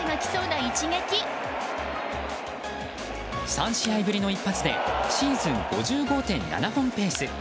３試合ぶりの一発でシーズン５５．７本ペース。